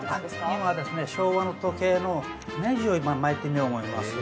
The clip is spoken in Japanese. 今は昭和の時計のねじを巻いてみようと思います。